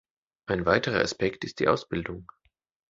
Ein weiterer Aspekt ist die Ausbildung.